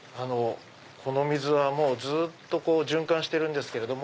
この水はずっと循環してるんですけれども。